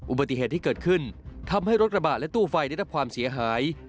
อุบัติเหตุที่เกิดขึ้นทำให้รถกระบะและตู้ไฟได้รับความเสียหาย